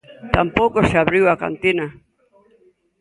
Tampouco se abriu a cantina.